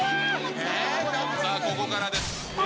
さあ、ここからです。